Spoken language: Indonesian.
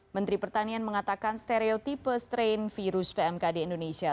menteri pertanian mengatakan stereotipe strain virus pmk di indonesia